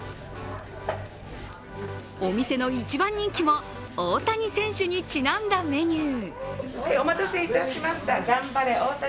お店の一番人気も大谷選手にちなんだメニュー。